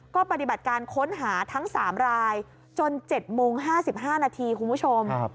ก็ปฏิบัติการค้นหาทั้ง๓รายจน๗โมง๕๕นาทีคุณผู้ชม